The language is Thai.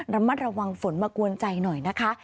ระมัดระวังฝนมากวนใจหน่อยนะคะ